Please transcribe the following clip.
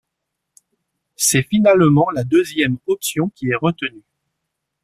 C'est finalement la deuxième option qui est retenue.